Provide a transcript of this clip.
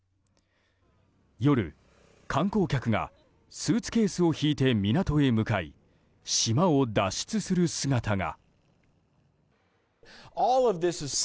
夜、観光客がスーツケースを引いて港へ向かい、島を脱出する姿が。